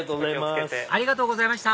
ありがとうございます。